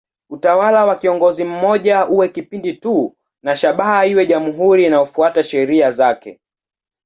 Utawala wa kiongozi mmoja uwe kipindi tu na shabaha iwe jamhuri inayofuata sheria zake.